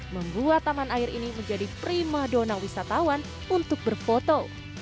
membuat taman air ini menjadi prima dona wisatawan untuk berfoto